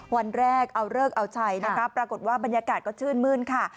วันแรกเอาเลิกเอาชัยนะคะปรากฏว่าบรรยากาศก็ชื่นมื้นค่ะ